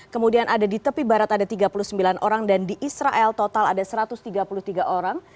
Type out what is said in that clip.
kemudian ada di tepi barat ada tiga puluh sembilan orang dan di israel total ada satu ratus tiga puluh tiga orang